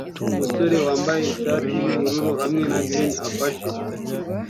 Umusore wambaye ishati yubururu hamwe na jans afashe